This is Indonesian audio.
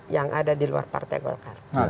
yang ada di luar partai golkar